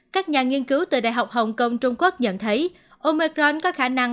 các nhà nghiên cứu từ đại học hong kong trung quốc nhận thấy omicron có khả năng